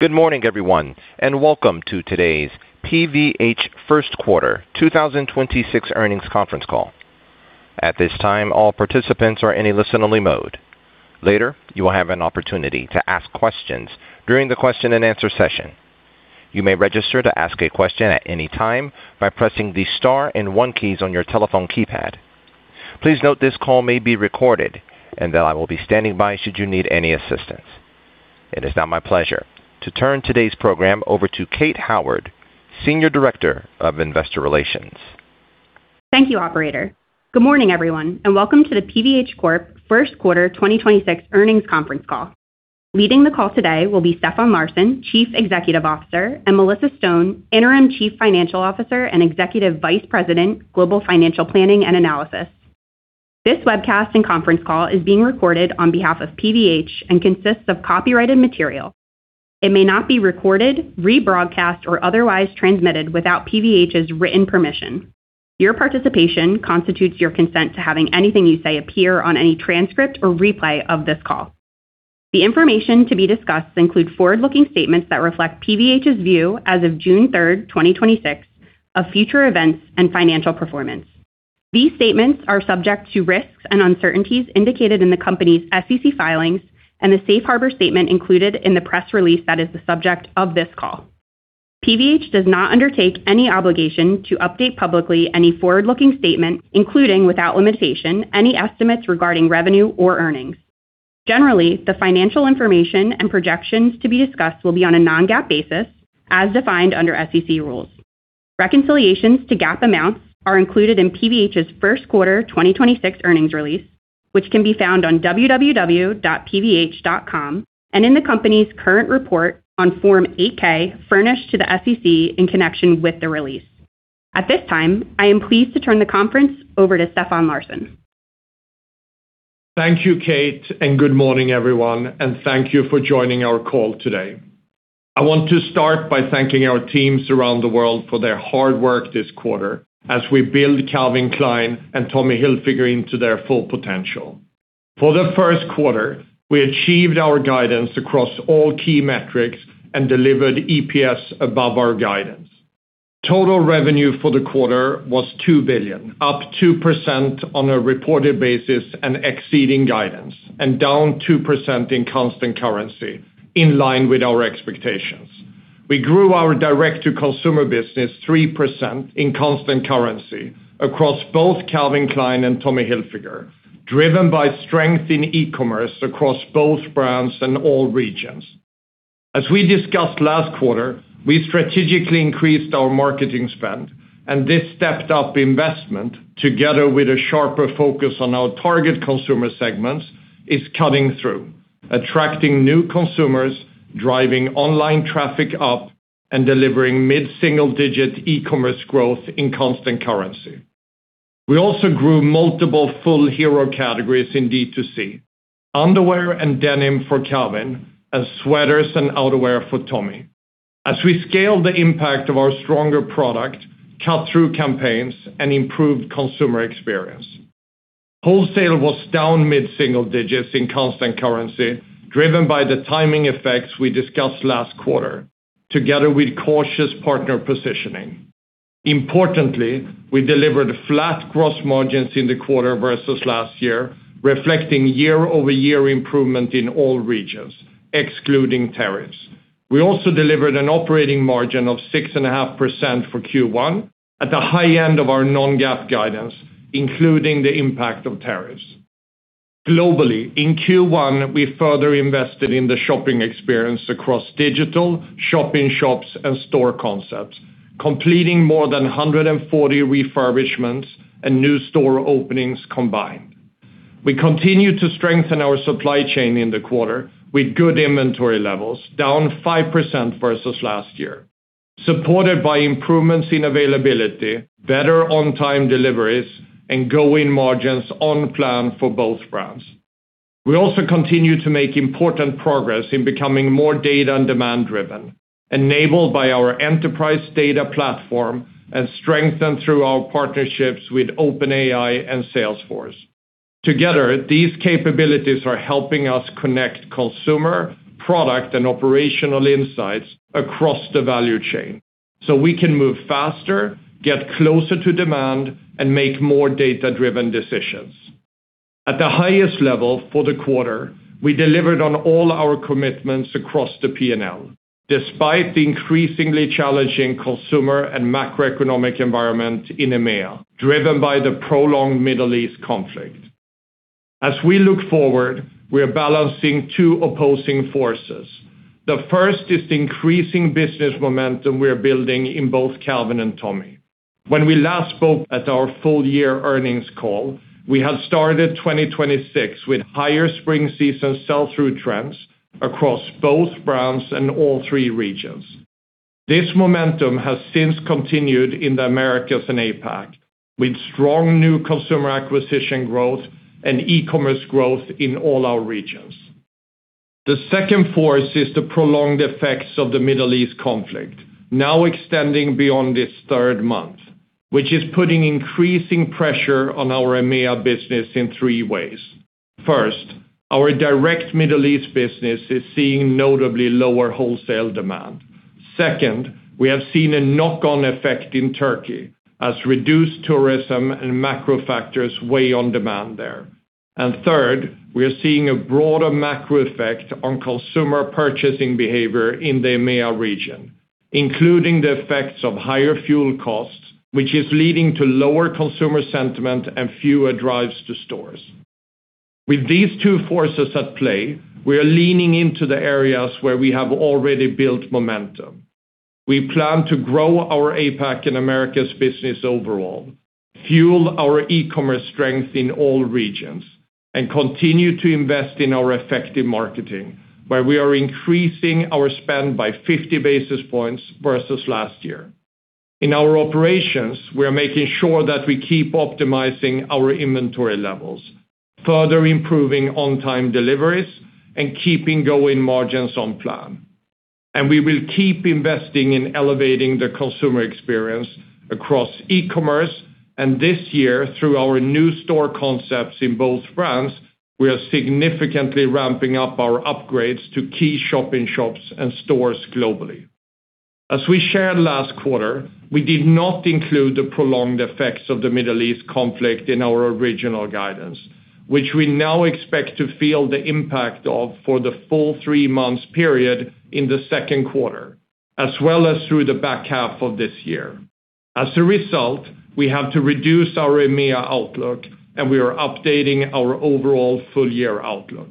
Good morning, everyone, and welcome to today's PVH First Quarter 2026 Earnings Conference Call. At this time, all participants are in a listen-only mode. Later, you will have an opportunity to ask questions during the question and answer session. You may register to ask a question at any time by pressing the star and one keys on your telephone keypad. Please note this call may be recorded and that I will be standing by should you need any assistance. It is now my pleasure to turn today's program over to Caitlin Howard, Senior Director of Investor Relations. Thank you, operator. Good morning, everyone, and welcome to the PVH Corp First Quarter 2026 Earnings Conference Call. Leading the call today will be Stefan Larsson, Chief Executive Officer, and Melissa Stone, Interim Chief Financial Officer and Executive Vice President, Global Financial Planning and Analysis. This webcast and conference call is being recorded on behalf of PVH and consists of copyrighted material. It may not be recorded, rebroadcast, or otherwise transmitted without PVH's written permission. Your participation constitutes your consent to having anything you say appear on any transcript or replay of this call. The information to be discussed includes forward-looking statements that reflect PVH's view as of June 3rd, 2026, of future events and financial performance. These statements are subject to risks and uncertainties indicated in the company's SEC filings and the safe harbor statement included in the press release that is the subject of this call. PVH does not undertake any obligation to update publicly any forward-looking statement, including, without limitation, any estimates regarding revenue or earnings. Generally, the financial information and projections to be discussed will be on a non-GAAP basis, as defined under SEC rules. Reconciliations to GAAP amounts are included in PVH's first quarter 2026 earnings release, which can be found on www.pvh.com and in the company's current report on Form 8-K furnished to the SEC in connection with the release. At this time, I am pleased to turn the conference over to Stefan Larsson. Thank you, Caitlin, and good morning, everyone, and thank you for joining our call today. I want to start by thanking our teams around the world for their hard work this quarter as we build Calvin Klein and Tommy Hilfiger into their full potential. For the first quarter, we achieved our guidance across all key metrics and delivered EPS above our guidance. Total revenue for the quarter was $2 billion, up 2% on a reported basis and exceeding guidance, and down 2% in constant currency, in line with our expectations. We grew our direct-to-consumer business 3% in constant currency across both Calvin Klein and Tommy Hilfiger, driven by strength in e-commerce across both brands and all regions. As we discussed last quarter, we strategically increased our marketing spend, and this stepped up investment, together with a sharper focus on our target consumer segments, is cutting through, attracting new consumers, driving online traffic up, and delivering mid-single-digit e-commerce growth in constant currency. We also grew multiple full hero categories in D2C, underwear and denim for Calvin and sweaters and outerwear for Tommy, as we scale the impact of our stronger product, cut-through campaigns, and improved consumer experience. Wholesale was down mid-single digits in constant currency, driven by the timing effects we discussed last quarter, together with cautious partner positioning. Importantly, we delivered flat gross margins in the quarter versus last year, reflecting year-over-year improvement in all regions, excluding tariffs. We also delivered an operating margin of 6.5% for Q1 at the high end of our non-GAAP guidance, including the impact of tariffs. Globally, in Q1, we further invested in the shopping experience across digital, shop-in-shops, and store concepts, completing more than 140 refurbishments and new store openings combined. We continued to strengthen our supply chain in the quarter with good inventory levels, down 5% versus last year, supported by improvements in availability, better on-time deliveries, and gross margins on plan for both brands. We also continue to make important progress in becoming more data and demand-driven, enabled by our enterprise data platform and strengthened through our partnerships with OpenAI and Salesforce. Together, these capabilities are helping us connect consumer, product, and operational insights across the value chain, so we can move faster, get closer to demand, and make more data-driven decisions. At the highest level for the quarter, we delivered on all our commitments across the P&L, despite the increasingly challenging consumer and macroeconomic environment in EMEA, driven by the prolonged Middle East conflict. As we look forward, we are balancing two opposing forces. The first is the increasing business momentum we are building in both Calvin and Tommy. When we last spoke at our full year earnings call, we had started 2026 with higher spring season sell-through trends across both brands and all three regions. This momentum has since continued in the Americas and APAC, with strong new consumer acquisition growth and e-commerce growth in all our regions. The second force is the prolonged effects of the Middle East conflict, now extending beyond its third month, which is putting increasing pressure on our EMEA business in three ways. First, our direct Middle East business is seeing notably lower wholesale demand. Second, we have seen a knock-on effect in Turkey as reduced tourism and macro factors weigh on demand there. Third, we are seeing a broader macro effect on consumer purchasing behavior in the EMEA region, including the effects of higher fuel costs, which is leading to lower consumer sentiment and fewer drives to stores. With these two forces at play, we are leaning into the areas where we have already built momentum. We plan to grow our APAC and Americas business overall, fuel our e-commerce strength in all regions, and continue to invest in our effective marketing, where we are increasing our spend by 50 basis points versus last year. In our operations, we are making sure that we keep optimizing our inventory levels, further improving on-time deliveries, and keeping gross margins on plan. We will keep investing in elevating the consumer experience across e-commerce. This year, through our new store concepts in both brands, we are significantly ramping up our upgrades to key shop-in-shops and stores globally. As we shared last quarter, we did not include the prolonged effects of the Middle East conflict in our original guidance, which we now expect to feel the impact of for the full three months period in the second quarter, as well as through the back half of this year. As a result, we have to reduce our EMEA outlook, we are updating our overall full-year outlook.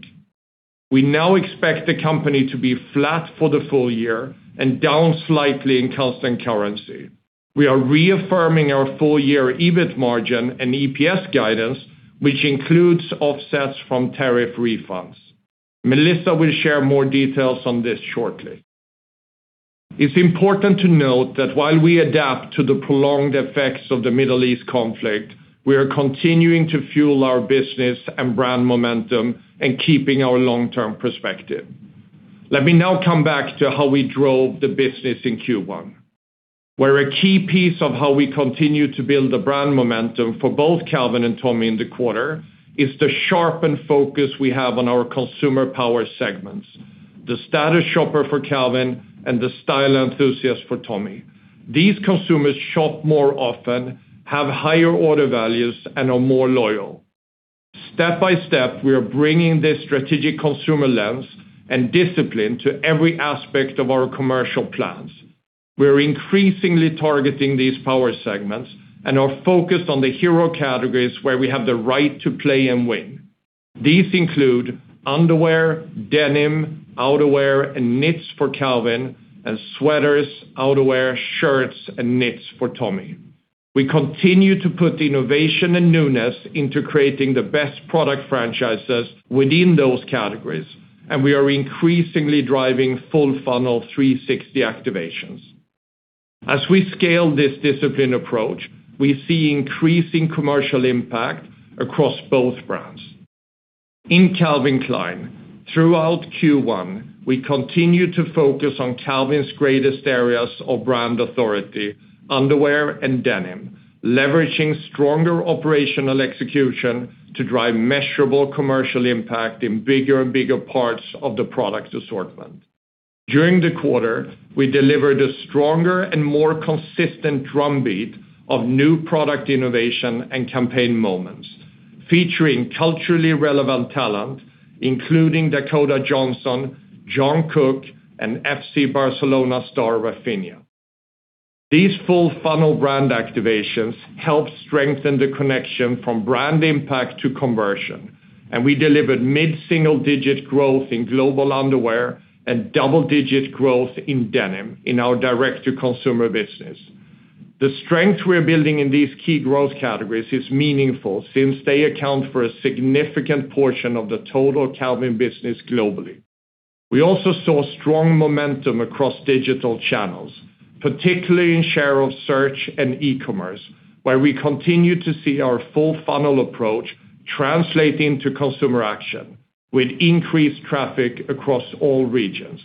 We now expect the company to be flat for the full year and down slightly in constant currency. We are reaffirming our full-year EBIT margin and EPS guidance, which includes offsets from tariff refunds. Melissa will share more details on this shortly. It's important to note that while we adapt to the prolonged effects of the Middle East conflict, we are continuing to fuel our business and brand momentum and keeping our long-term perspective. Let me now come back to how we drove the business in Q1, where a key piece of how we continue to build the brand momentum for both Calvin and Tommy in the quarter is the sharpened focus we have on our consumer power segments, the status shopper for Calvin and the style enthusiast for Tommy. These consumers shop more often, have higher order values, and are more loyal. Step by step, we are bringing this strategic consumer lens and discipline to every aspect of our commercial plans. We are increasingly targeting these power segments and are focused on the hero categories where we have the right to play and win. These include underwear, denim, outerwear, and knits for Calvin, and sweaters, outerwear, shirts, and knits for Tommy. We continue to put innovation and newness into creating the best product franchises within those categories, and we are increasingly driving full-funnel 360 activations. As we scale this disciplined approach, we see increasing commercial impact across both brands. In Calvin Klein, throughout Q1, we continued to focus on Calvin's greatest areas of brand authority, underwear and denim, leveraging stronger operational execution to drive measurable commercial impact in bigger and bigger parts of the product assortment. During the quarter, we delivered a stronger and more consistent drumbeat of new product innovation and campaign moments, featuring culturally relevant talent, including Dakota Johnson, Jungkook, and FC Barcelona star, Raphinha. These full-funnel brand activations help strengthen the connection from brand impact to conversion, and we delivered mid-single-digit growth in global underwear and double-digit growth in denim in our direct-to-consumer business. The strength we are building in these key growth categories is meaningful since they account for a significant portion of the total Calvin business globally. We also saw strong momentum across digital channels, particularly in share of search and e-commerce, where we continued to see our full-funnel approach translating to consumer action with increased traffic across all regions.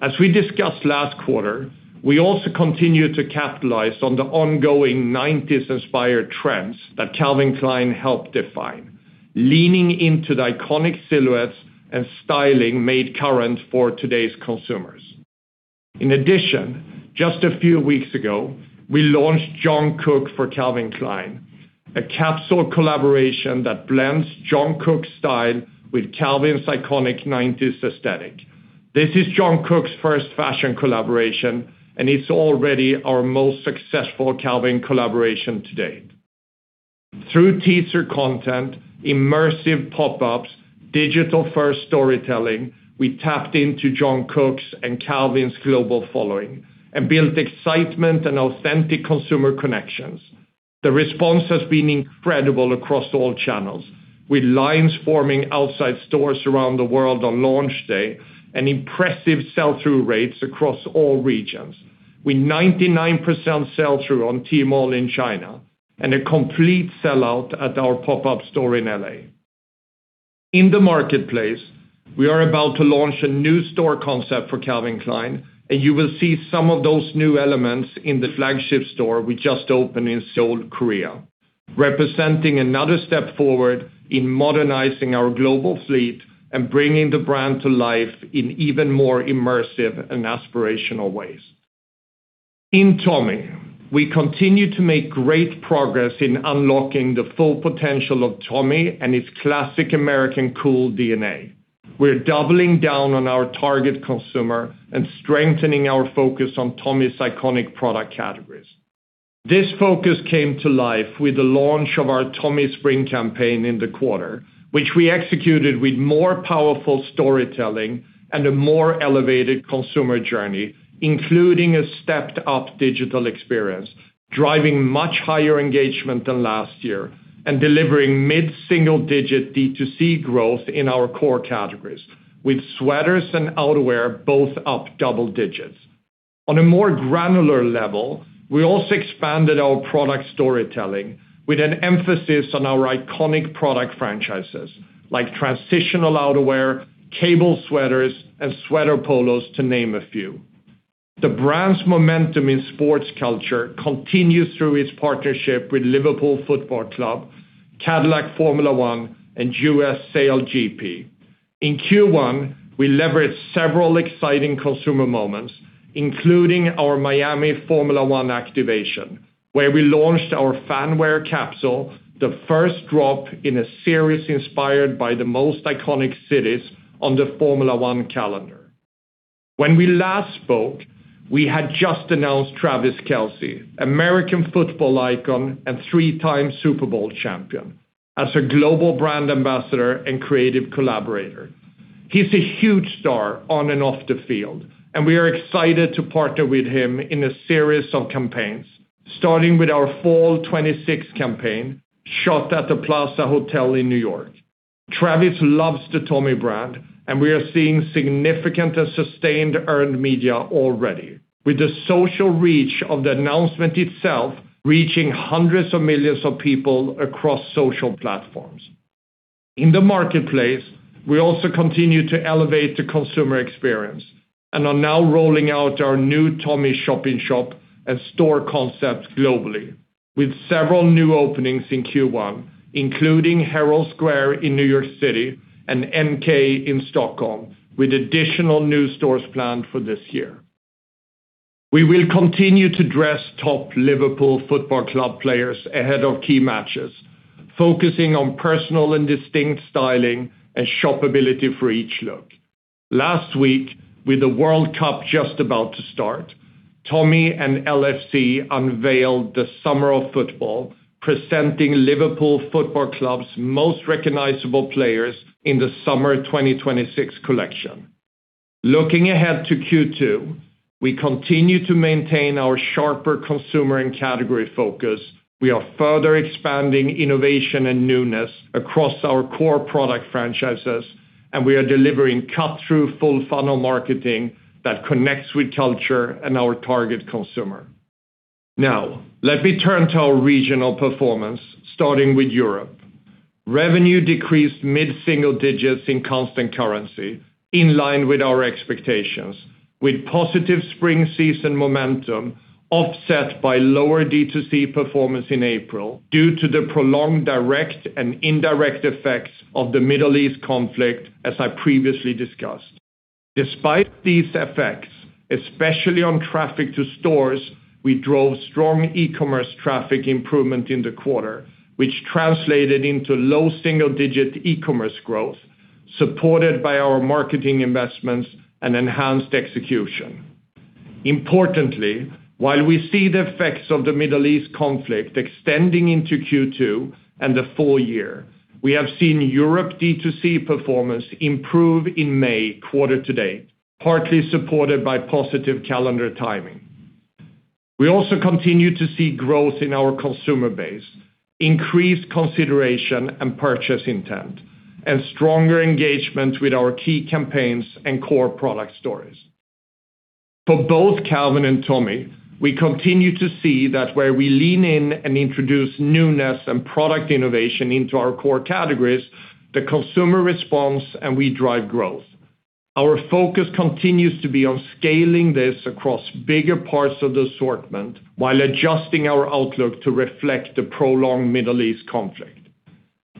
As we discussed last quarter, we also continued to capitalize on the ongoing '90s-inspired trends that Calvin Klein helped define, leaning into the iconic silhouettes and styling made current for today's consumers. In addition, just a few weeks ago, we launched Jungkook for Calvin Klein, a capsule collaboration that blends Jungkook's style with Calvin's iconic '90s aesthetic. This is Jungkook's first fashion collaboration, and it's already our most successful Calvin collaboration to date. Through teaser content, immersive pop-ups, digital-first storytelling, we tapped into Jungkook's and Calvin's global following and built excitement and authentic consumer connections. The response has been incredible across all channels, with lines forming outside stores around the world on launch day and impressive sell-through rates across all regions. With 99% sell-through on Tmall in China and a complete sell-out at our pop-up store in L.A. In the marketplace, we are about to launch a new store concept for Calvin Klein, and you will see some of those new elements in the flagship store we just opened in Seoul, Korea, representing another step forward in modernizing our global fleet and bringing the brand to life in even more immersive and aspirational ways. In Tommy, we continue to make great progress in unlocking the full potential of Tommy and its classic American cool DNA. We're doubling down on our target consumer and strengthening our focus on Tommy's iconic product categories. This focus came to life with the launch of our Tommy spring campaign in the quarter, which we executed with more powerful storytelling and a more elevated consumer journey, including a stepped-up digital experience, driving much higher engagement than last year and delivering mid-single-digit D2C growth in our core categories, with sweaters and outerwear both up double digits. On a more granular level, we also expanded our product storytelling with an emphasis on our iconic product franchises like transitional outerwear, cable sweaters, and sweater polos, to name a few. The brand's momentum in sports culture continues through its partnership with Liverpool Football Club, Cadillac Formula One, and US SailGP. In Q1, we leveraged several exciting consumer moments, including our Miami Formula One activation, where we launched our fan wear capsule, the first drop in a series inspired by the most iconic cities on the Formula One calendar. When we last spoke, we had just announced Travis Kelce, American football icon and three-time Super Bowl champion, as a global brand ambassador and creative collaborator. He's a huge star on and off the field, and we are excited to partner with him in a series of campaigns, starting with our fall '26 campaign shot at the Plaza Hotel in New York. Travis loves the Tommy brand, and we are seeing significant and sustained earned media already, with the social reach of the announcement itself reaching hundreds of millions of people across social platforms. In the marketplace, we also continue to elevate the consumer experience and are now rolling out our new Tommy shop-in-shop and store concepts globally, with several new openings in Q1, including Herald Square in New York City and NK in Stockholm, with additional new stores planned for this year. We will continue to dress top Liverpool Football Club players ahead of key matches, focusing on personal and distinct styling and shoppability for each look. Last week, with the World Cup just about to start, Tommy and LFC unveiled the summer of football, presenting Liverpool Football Club's most recognizable players in the summer 2026 collection. Looking ahead to Q2, we continue to maintain our sharper consumer and category focus. We are further expanding innovation and newness across our core product franchises, and we are delivering cut-through full funnel marketing that connects with culture and our target consumer. Now, let me turn to our regional performance, starting with Europe. Revenue decreased mid-single digits in constant currency, in line with our expectations, with positive spring season momentum offset by lower D2C performance in April due to the prolonged direct and indirect effects of the Middle East conflict, as I previously discussed. Despite these effects, especially on traffic to stores, we drove strong e-commerce traffic improvement in the quarter, which translated into low double-digit e-commerce growth, supported by our marketing investments and enhanced execution. Importantly, while we see the effects of the Middle East conflict extending into Q2 and the full year, we have seen Europe D2C performance improve in May quarter to date, partly supported by positive calendar timing. We also continue to see growth in our consumer base, increased consideration and purchase intent, and stronger engagement with our key campaigns and core product stories. For both Calvin and Tommy, we continue to see that where we lean in and introduce newness and product innovation into our core categories, the consumer responds, and we drive growth. Our focus continues to be on scaling this across bigger parts of the assortment while adjusting our outlook to reflect the prolonged Middle East conflict.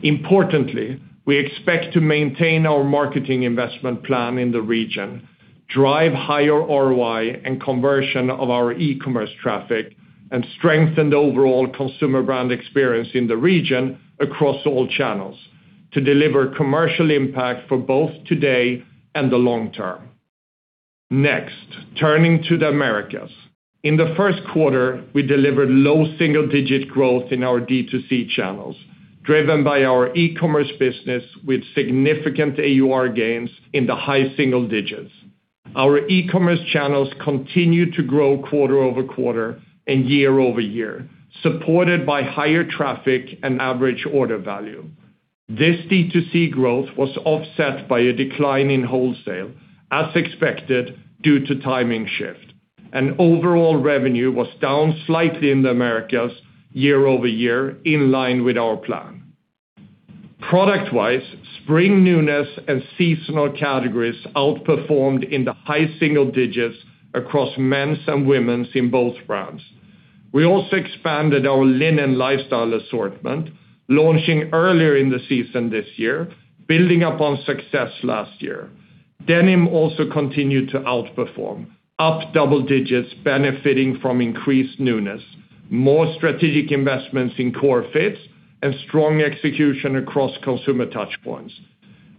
Importantly, we expect to maintain our marketing investment plan in the region, drive higher ROI and conversion of our e-commerce traffic, and strengthen the overall consumer brand experience in the region across all channels to deliver commercial impact for both today and the long term. Turning to the Americas. In the first quarter, we delivered low single-digit growth in our D2C channels, driven by our e-commerce business with significant AUR gains in the high single digits. Our e-commerce channels continue to grow quarter-over-quarter and year-over-year, supported by higher traffic and average order value. This D2C growth was offset by a decline in wholesale, as expected, due to timing shift. Overall revenue was down slightly in the Americas year-over-year, in line with our plan. Product-wise, spring newness and seasonal categories outperformed in the high single digits across men's and women's in both brands. We also expanded our linen lifestyle assortment, launching earlier in the season this year, building upon success last year. Denim also continued to outperform, up double digits, benefiting from increased newness, more strategic investments in core fits, and strong execution across consumer touchpoints.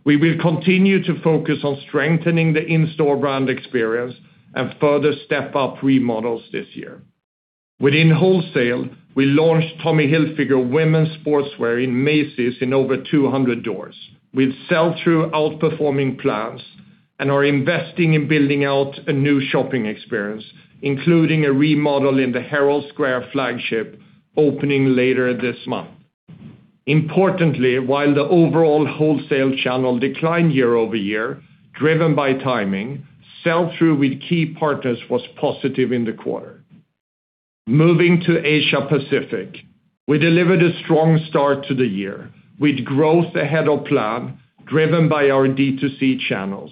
We will continue to focus on strengthening the in-store brand experience and further step up remodels this year. Within wholesale, we launched Tommy Hilfiger women's sportswear in Macy's in over 200 doors, with sell-through outperforming plans and are investing in building out a new shopping experience, including a remodel in the Herald Square flagship opening later this month. Importantly, while the overall wholesale channel declined year-over-year, driven by timing, sell-through with key partners was positive in the quarter. Moving to Asia Pacific, we delivered a strong start to the year, with growth ahead of plan driven by our D2C channels.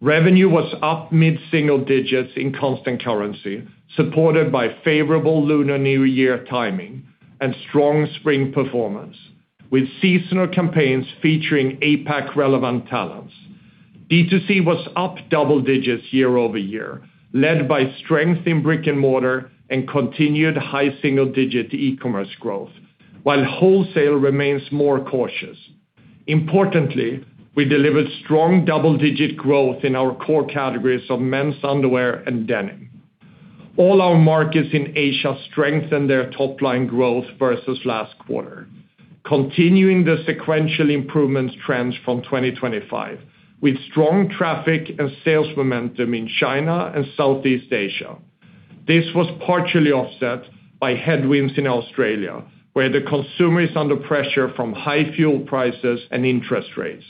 Revenue was up mid-single digits in constant currency, supported by favorable Lunar New Year timing and strong spring performance, with seasonal campaigns featuring APAC relevant talents. D2C was up double digits year-over-year, led by strength in brick and mortar and continued high single-digit e-commerce growth, while wholesale remains more cautious. Importantly, we delivered strong double-digit growth in our core categories of men's underwear and denim. All our markets in Asia strengthened their top-line growth versus last quarter, continuing the sequential improvement trends from 2025, with strong traffic and sales momentum in China and Southeast Asia. This was partially offset by headwinds in Australia, where the consumer is under pressure from high fuel prices and interest rates.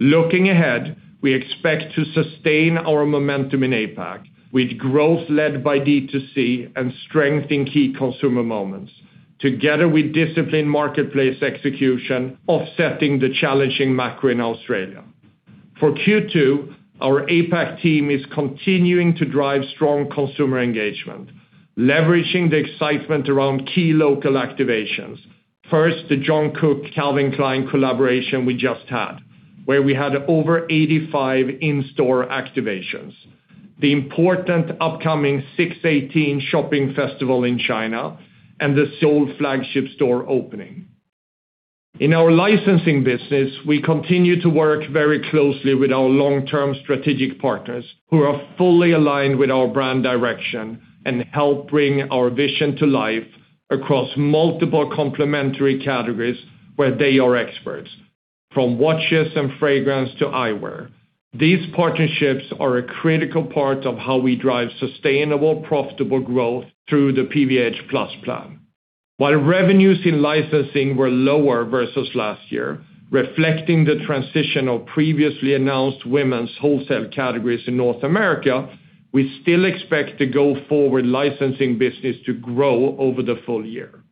Looking ahead, we expect to sustain our momentum in APAC with growth led by D2C and strength in key consumer moments, together with disciplined marketplace execution offsetting the challenging macro in Australia. For Q2, our APAC team is continuing to drive strong consumer engagement, leveraging the excitement around key local activations. First, the Jungkook Calvin Klein collaboration we just had, where we had over 85 in-store activations, the important upcoming 618 Shopping Festival in China, and the Seoul flagship store opening. In our licensing business, we continue to work very closely with our long-term strategic partners who are fully aligned with our brand direction and help bring our vision to life across multiple complementary categories where they are experts, from watches and fragrance to eyewear. These partnerships are a critical part of how we drive sustainable, profitable growth through the PVH+ Plan. While revenues in licensing were lower versus last year, reflecting the transition of previously announced women's wholesale categories in North America, we still expect the go-forward licensing business to grow over the full year.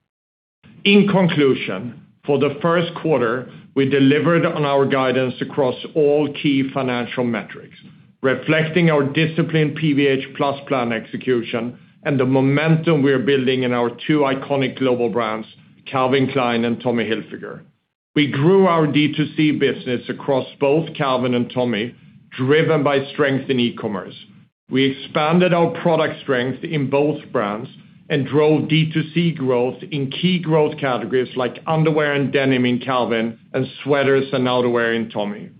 In conclusion, for the first quarter, we delivered on our guidance across all key financial metrics, reflecting our disciplined PVH+ Plan execution and the momentum we are building in our two iconic global brands, Calvin Klein and Tommy Hilfiger. We grew our D2C business across both Calvin and Tommy, driven by strength in e-commerce. We expanded our product strength in both brands and drove D2C growth in key growth categories like underwear and denim in Calvin and sweaters and outerwear in Tommy.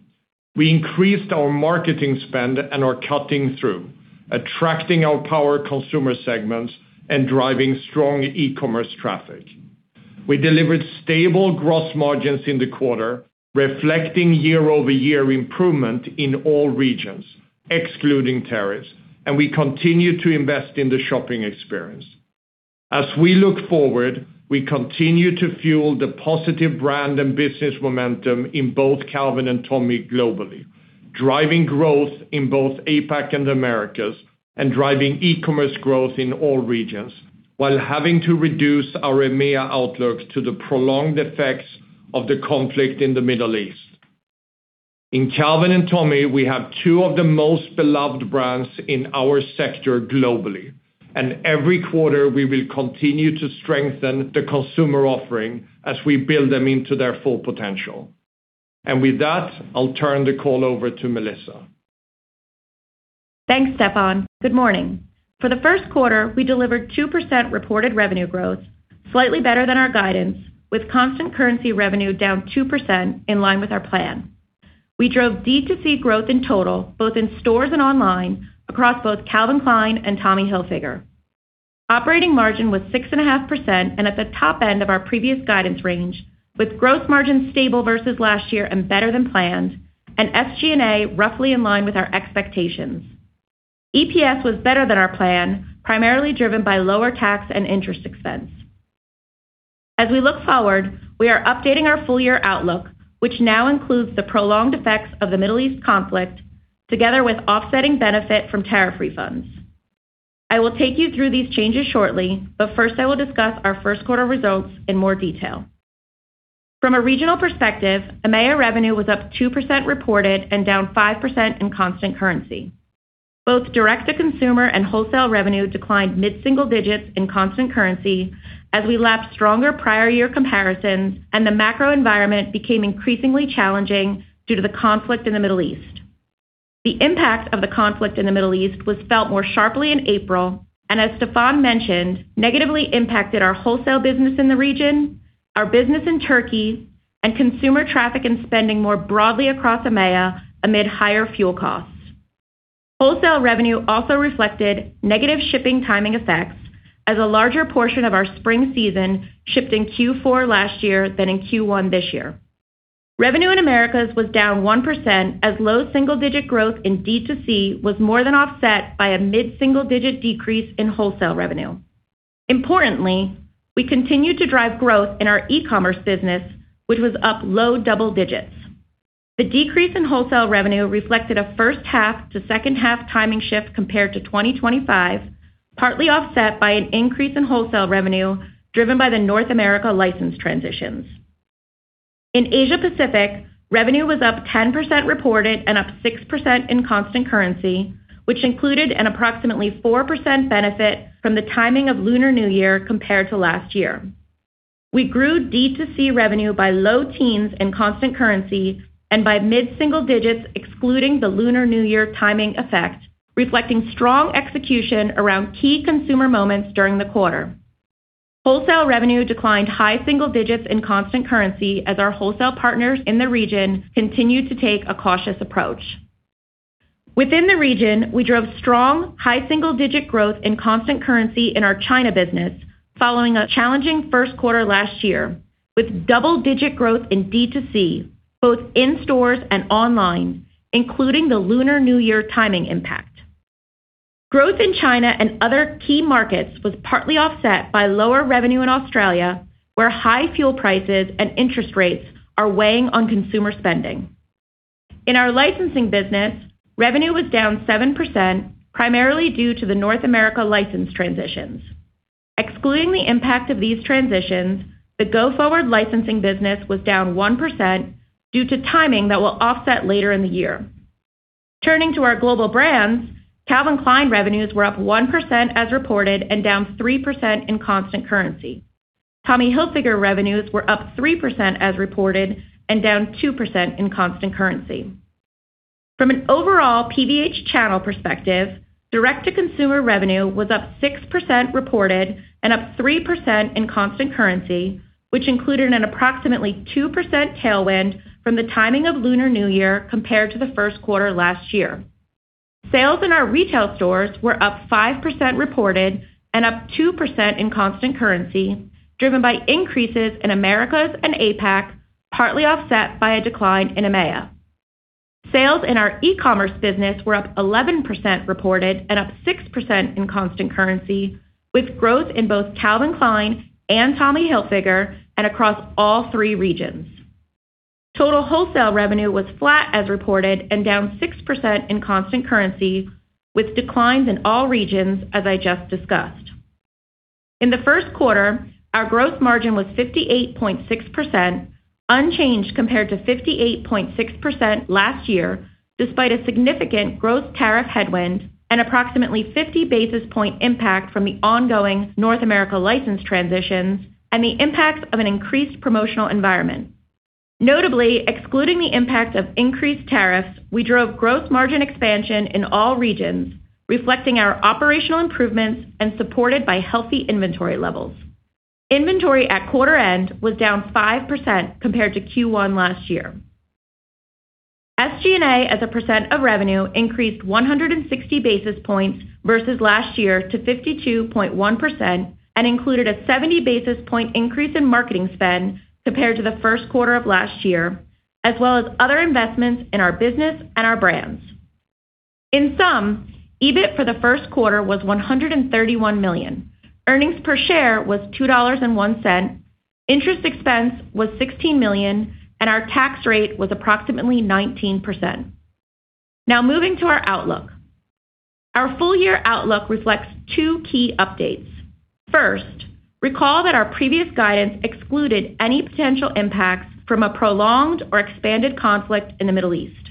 We increased our marketing spend and are cutting through, attracting our power consumer segments and driving strong e-commerce traffic. We delivered stable gross margins in the quarter, reflecting year-over-year improvement in all regions, excluding tariffs, and we continue to invest in the shopping experience. As we look forward, we continue to fuel the positive brand and business momentum in both Calvin and Tommy globally, driving growth in both APAC and Americas and driving e-commerce growth in all regions, while having to reduce our EMEA outlook to the prolonged effects of the conflict in the Middle East. In Calvin and Tommy, we have two of the most beloved brands in our sector globally, and every quarter, we will continue to strengthen the consumer offering as we build them into their full potential. With that, I'll turn the call over to Melissa. Thanks, Stefan. Good morning. For the first quarter, we delivered 2% reported revenue growth, slightly better than our guidance, with constant currency revenue down 2% in line with our plan. We drove D2C growth in total, both in stores and online, across both Calvin Klein and Tommy Hilfiger. Operating margin was 6.5% and at the top end of our previous guidance range, with gross margins stable versus last year and better than planned, and SG&A roughly in line with our expectations. EPS was better than our plan, primarily driven by lower tax and interest expense. As we look forward, we are updating our full-year outlook, which now includes the prolonged effects of the Middle East conflict together with offsetting benefit from tariff refunds. I will take you through these changes shortly, but first, I will discuss our first quarter results in more detail. From a regional perspective, EMEA revenue was up 2% reported and down 5% in constant currency. Both direct-to-consumer and wholesale revenue declined mid-single digits in constant currency as we lapped stronger prior year comparisons and the macro environment became increasingly challenging due to the conflict in the Middle East. The impact of the conflict in the Middle East was felt more sharply in April, and as Stefan mentioned, negatively impacted our wholesale business in the region, our business in Turkey, and consumer traffic and spending more broadly across EMEA amid higher fuel costs. Wholesale revenue also reflected negative shipping timing effects as a larger portion of our spring season shipped in Q4 last year than in Q1 this year. Revenue in Americas was down 1% as low single-digit growth in D2C was more than offset by a mid-single digit decrease in wholesale revenue. Importantly, we continued to drive growth in our e-commerce business, which was up low double digits. The decrease in wholesale revenue reflected a first half to second half timing shift compared to 2025, partly offset by an increase in wholesale revenue driven by the North America license transitions. In Asia Pacific, revenue was up 10% reported and up 6% in constant currency, which included an approximately 4% benefit from the timing of Lunar New Year compared to last year. We grew D2C revenue by low teens in constant currency and by mid-single digits excluding the Lunar New Year timing effect, reflecting strong execution around key consumer moments during the quarter. Wholesale revenue declined high single digits in constant currency as our wholesale partners in the region continued to take a cautious approach. Within the region, we drove strong high single-digit growth in constant currency in our China business following a challenging first quarter last year with double-digit growth in D2C, both in stores and online, including the Lunar New Year timing impact. Growth in China and other key markets was partly offset by lower revenue in Australia, where high fuel prices and interest rates are weighing on consumer spending. In our licensing business, revenue was down 7%, primarily due to the North America license transitions. Excluding the impact of these transitions, the go-forward licensing business was down 1% due to timing that will offset later in the year. Turning to our global brands, Calvin Klein revenues were up 1% as reported and down 3% in constant currency. Tommy Hilfiger revenues were up 3% as reported and down 2% in constant currency. From an overall PVH channel perspective, direct-to-consumer revenue was up 6% reported and up 3% in constant currency, which included an approximately 2% tailwind from the timing of Lunar New Year compared to the first quarter last year. Sales in our retail stores were up 5% reported and up 2% in constant currency, driven by increases in Americas and APAC, partly offset by a decline in EMEA. Sales in our e-commerce business were up 11% reported and up 6% in constant currency, with growth in both Calvin Klein and Tommy Hilfiger and across all three regions. Total wholesale revenue was flat as reported and down 6% in constant currency, with declines in all regions, as I just discussed. In the first quarter, our gross margin was 58.6%, unchanged compared to 58.6% last year, despite a significant gross tariff headwind and approximately 50 basis point impact from the ongoing North America license transitions and the impacts of an increased promotional environment. Notably, excluding the impact of increased tariffs, we drove gross margin expansion in all regions, reflecting our operational improvements and supported by healthy inventory levels. Inventory at quarter end was down 5% compared to Q1 last year. SG&A as a percent of revenue increased 160 basis points versus last year to 52.1% and included a 70 basis point increase in marketing spend compared to the first quarter of last year, as well as other investments in our business and our brands. In sum, EBIT for the first quarter was $131 million. Earnings per share was $2.01. Interest expense was $16 million, and our tax rate was approximately 19%. Now moving to our outlook. Our full-year outlook reflects two key updates. First, recall that our previous guidance excluded any potential impacts from a prolonged or expanded conflict in the Middle East.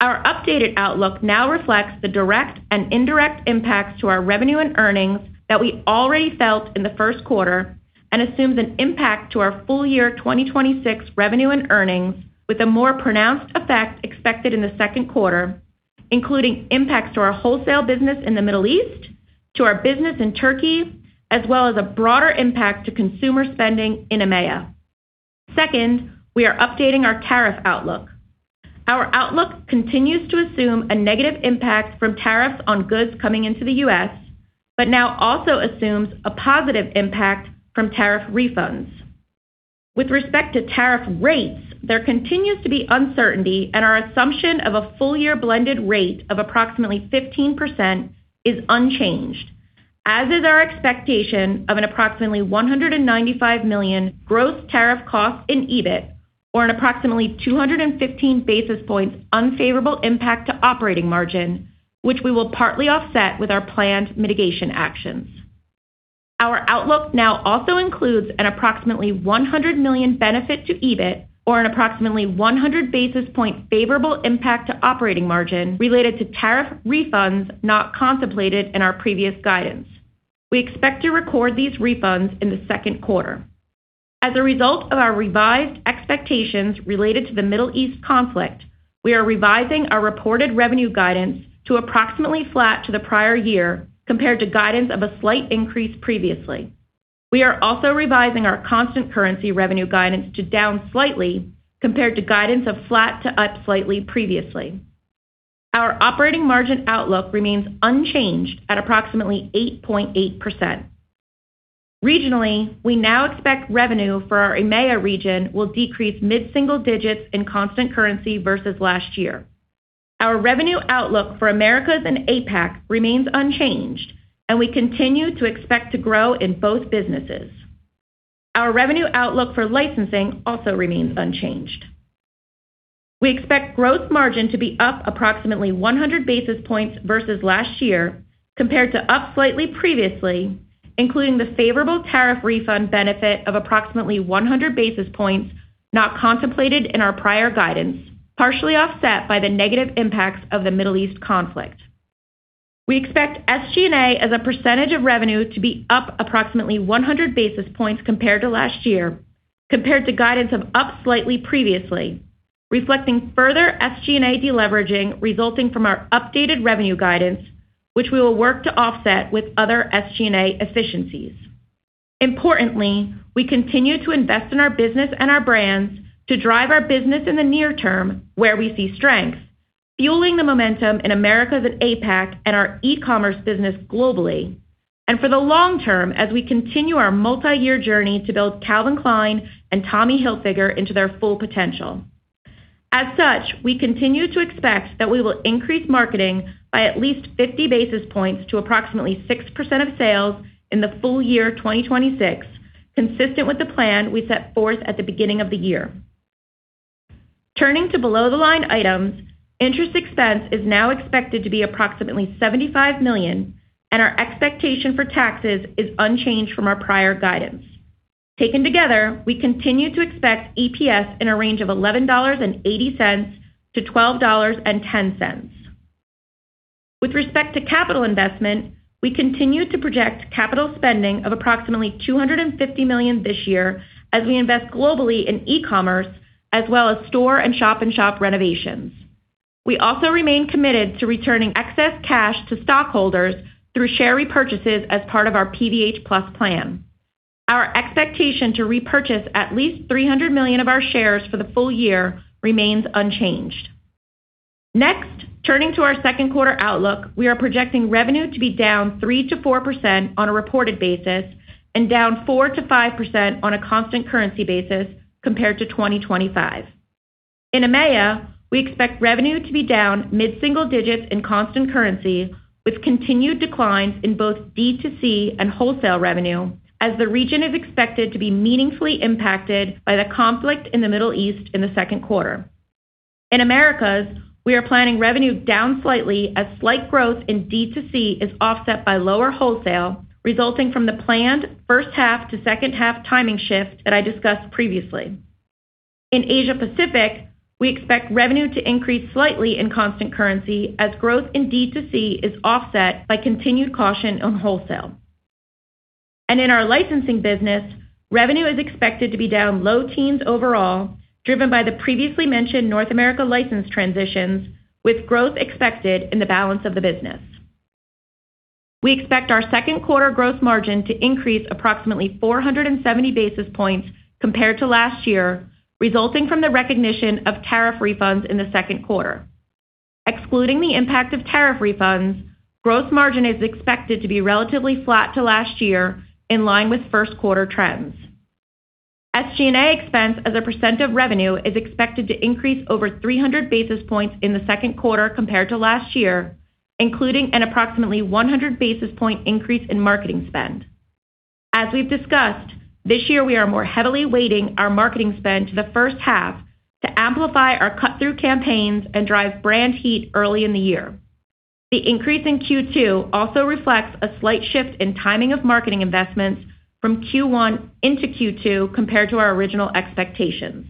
Our updated outlook now reflects the direct and indirect impacts to our revenue and earnings that we already felt in the first quarter and assumes an impact to our full year 2026 revenue and earnings with a more pronounced effect expected in the second quarter, including impacts to our wholesale business in the Middle East, to our business in Turkey, as well as a broader impact to consumer spending in EMEA. Second, we are updating our tariff outlook. Our outlook continues to assume a negative impact from tariffs on goods coming into the U.S., but now also assumes a positive impact from tariff refunds. With respect to tariff rates, there continues to be uncertainty, and our assumption of a full-year blended rate of approximately 15% is unchanged, as is our expectation of an approximately $195 million gross tariff cost in EBIT, or an approximately 215 basis points unfavorable impact to operating margin, which we will partly offset with our planned mitigation actions. Our outlook now also includes an approximately $100 million benefit to EBIT, or an approximately 100 basis point favorable impact to operating margin related to tariff refunds not contemplated in our previous guidance. We expect to record these refunds in the second quarter. As a result of our revised expectations related to the Middle East conflict, we are revising our reported revenue guidance to approximately flat to the prior year, compared to guidance of a slight increase previously. We are also revising our constant currency revenue guidance to down slightly, compared to guidance of flat to up slightly previously. Our operating margin outlook remains unchanged at approximately 8.8%. Regionally, we now expect revenue for our EMEA region will decrease mid-single digits in constant currency versus last year. Our revenue outlook for Americas and APAC remains unchanged, and we continue to expect to grow in both businesses. Our revenue outlook for licensing also remains unchanged. We expect gross margin to be up approximately 100 basis points versus last year, compared to up slightly previously, including the favorable tariff refund benefit of approximately 100 basis points not contemplated in our prior guidance, partially offset by the negative impacts of the Middle East conflict. We expect SG&A as a percentage of revenue to be up approximately 100 basis points compared to last year, compared to guidance of up slightly previously, reflecting further SG&A deleveraging resulting from our updated revenue guidance, which we will work to offset with other SG&A efficiencies. Importantly, we continue to invest in our business and our brands to drive our business in the near term, where we see strength, fueling the momentum in Americas and APAC and our e-commerce business globally. For the long term, as we continue our multi-year journey to build Calvin Klein and Tommy Hilfiger into their full potential. As such, we continue to expect that we will increase marketing by at least 50 basis points to approximately 6% of sales in the full year 2026, consistent with the plan we set forth at the beginning of the year. Turning to below-the-line items, interest expense is now expected to be approximately $75 million, and our expectation for taxes is unchanged from our prior guidance. Taken together, we continue to expect EPS in a range of $11.80-$12.10. With respect to capital investment, we continue to project capital spending of approximately $250 million this year as we invest globally in e-commerce as well as store and shop-in-shop renovations. We also remain committed to returning excess cash to stockholders through share repurchases as part of our PVH+ plan. Our expectation to repurchase at least $300 million of our shares for the full year remains unchanged. Next, turning to our second quarter outlook, we are projecting revenue to be down 3% to 4% on a reported basis and down 4% to 5% on a constant currency basis compared to 2025. In EMEA, we expect revenue to be down mid-single digits in constant currency, with continued declines in both D2C and wholesale revenue, as the region is expected to be meaningfully impacted by the conflict in the Middle East in the second quarter. In Americas, we are planning revenue down slightly as slight growth in D2C is offset by lower wholesale, resulting from the planned first half to second half timing shift that I discussed previously. In Asia Pacific, we expect revenue to increase slightly in constant currency as growth in D2C is offset by continued caution on wholesale. In our licensing business, revenue is expected to be down low teens overall, driven by the previously mentioned North America license transitions, with growth expected in the balance of the business. We expect our second quarter gross margin to increase approximately 470 basis points compared to last year, resulting from the recognition of tariff refunds in the second quarter. Excluding the impact of tariff refunds, gross margin is expected to be relatively flat to last year, in line with first quarter trends. SG&A expense as a percent of revenue is expected to increase over 300 basis points in the second quarter compared to last year, including an approximately 100 basis point increase in marketing spend. As we've discussed, this year we are more heavily weighting our marketing spend to the first half to amplify our cut-through campaigns and drive brand heat early in the year. The increase in Q2 also reflects a slight shift in timing of marketing investments from Q1 into Q2 compared to our original expectations.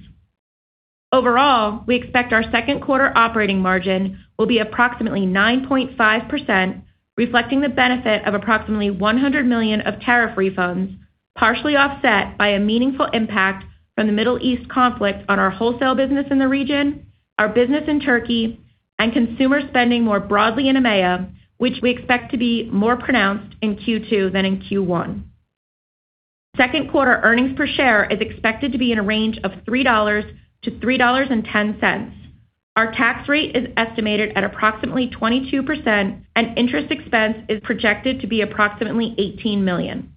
Overall, we expect our second quarter operating margin will be approximately 9.5%, reflecting the benefit of approximately $100 million of tariff refunds, partially offset by a meaningful impact from the Middle East conflict on our wholesale business in the region, our business in Turkey, and consumer spending more broadly in EMEA, which we expect to be more pronounced in Q2 than in Q1. Second quarter earnings per share is expected to be in a range of $3-$3.10. Our tax rate is estimated at approximately 22%, and interest expense is projected to be approximately $18 million.